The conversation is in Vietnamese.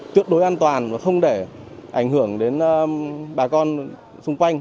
chúng tôi an toàn và không để ảnh hưởng đến bà con xung quanh